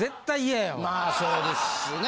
まあそうですね。